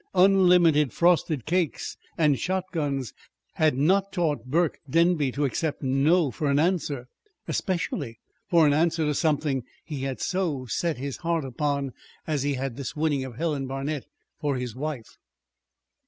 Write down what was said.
Unlimited frosted cakes and shotguns had not taught Burke Denby to accept no for an answer especially for an answer to something he had so set his heart upon as he had this winning of Helen Barnet for his wife.